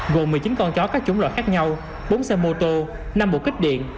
gồm một mươi chín con chó các chúng loại khác nhau bốn xe mô tô năm bộ kích điện